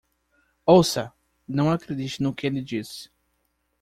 Ouça? não acredite no que ele diz.